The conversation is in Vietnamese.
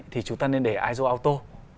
thì chúng ta nên để iso auto